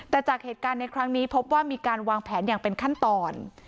แต่จากเหตุการณ์ในครั้งนี้พบว่ามีการวางแผนอย่างเป็นขั้นตอน